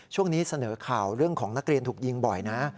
ช่วงนี้เสนอข่าวเรื่องของนักเรียนถูกยิงบ่อยนะ